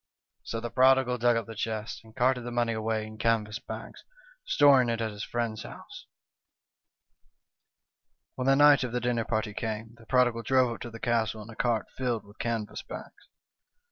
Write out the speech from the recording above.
" So the prodigal dug up the chests, and carted the money away in canvas bags, storing it at his friend's house. "When the night of the dinner party came, the prodigal drove up to the castle in a cart filled with canvas bags.